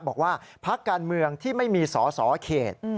บอกว่าพักการเมืองที่ไม่มีสอสอเขต